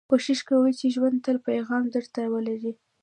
کوښښ کوئ، چي ژوند تل پیغام در ته ولري.